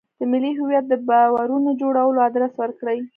په ملي هویت د باورونو جوړولو ادرس ورکړي.